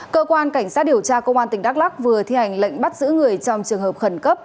cơ quan cảnh sát điều tra công an tỉnh đắk lắc vừa thi hành lệnh bắt giữ người trong trường hợp khẩn cấp